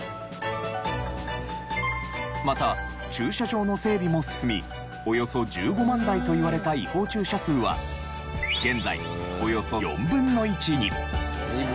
また駐車場の整備も進みおよそ１５万台といわれた違法駐車数は現在およそ４分の１に。